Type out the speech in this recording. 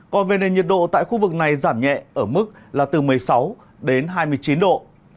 còn về nền nhiệt độ tại khu vực này giảm nhẹ ở mức là từ một mươi sáu đến hai mươi chín độ